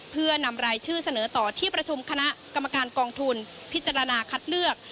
เพื่อนำรายชื่อเสนอต่อที่ประชุมคณะกรรมการกองทุนพิจารณาคัดเลือก